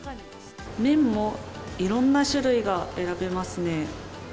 麺もいろんな種類が選べます